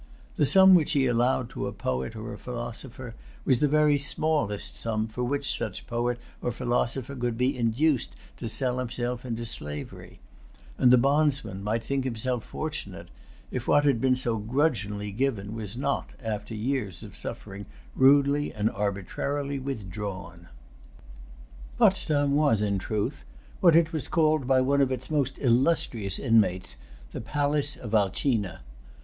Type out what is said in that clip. The sum which he allowed to a poet or a philosopher was the very smallest sum for which such poet or philosopher could be induced to sell himself into slavery; and the bondsman might think himself fortunate, if what had been so grudgingly given was not, after years of suffering, rudely and arbitrarily withdrawn. Potsdam was, in truth, what it was called by one of its most illustrious inmates, the Palace of Alcina.